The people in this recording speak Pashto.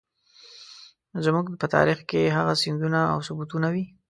زموږ په تاريخ کې هغه سندونه او ثبوتونه وي.